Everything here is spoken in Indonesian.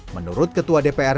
menurut ketua dpr